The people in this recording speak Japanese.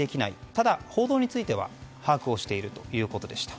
ただ、報道については把握をしているということでした。